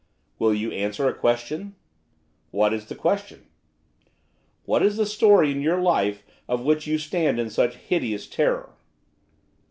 'Will you answer a question?' 'What is the question?' 'What is the story in your life of which you stand in such hideous terror?